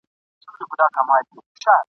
پر قدم د پخوانیو اوسنی پکښی پیدا کړي !.